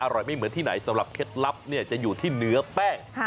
อร่อยไม่เหมือนที่ไหนสำหรับเคล็ดลับจะอยู่ที่เนื้อแป้ง